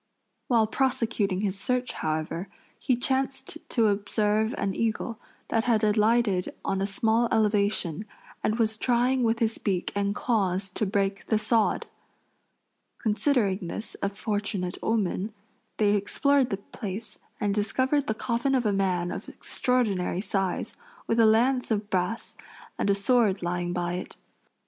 While prosecuting his search, however, he chanced to observe an eagle that had alighted on a small elevation and was trying with his beak and claws to break the sod. Considering this a fortunate omen, they explored the place and discovered the coffin of a man of extraordinary size, with a lance of brass and a sword lying by it.